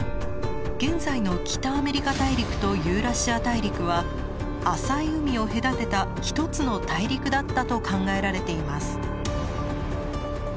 現在の北アメリカ大陸とユーラシア大陸は浅い海を隔てた一つの大陸だったと考えられています。